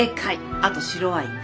あと白ワインね。